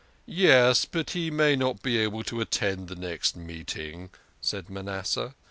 " Yes, but he may not be able to attend the next meeting," said Manasseh.